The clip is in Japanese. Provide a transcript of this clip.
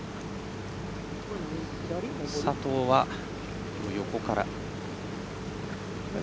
佐藤は横から。